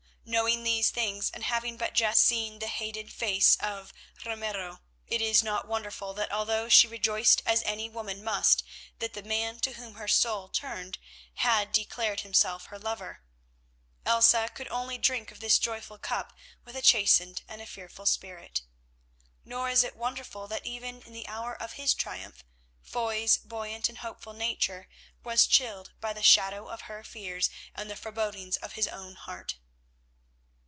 Knowing these things, and having but just seen the hated face of Ramiro, it is not wonderful that although she rejoiced as any woman must that the man to whom her soul turned had declared himself her lover, Elsa could only drink of this joyful cup with a chastened and a fearful spirit. Nor is it wonderful that even in the hour of his triumph Foy's buoyant and hopeful nature was chilled by the shadow of her fears and the forebodings of his own heart.